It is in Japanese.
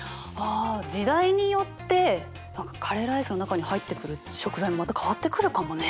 あ時代によってカレーライスの中に入ってくる食材もまた変わってくるかもね。